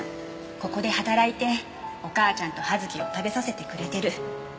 ここで働いてお母ちゃんと葉月を食べさせてくれてる。